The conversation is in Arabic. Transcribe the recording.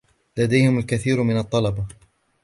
لديهم الكثير من الطلبة.